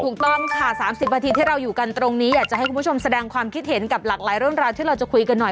ถูกต้องค่ะ๓๐นาทีที่เราอยู่กันตรงนี้อยากจะให้คุณผู้ชมแสดงความคิดเห็นกับหลากหลายเรื่องราวที่เราจะคุยกันหน่อย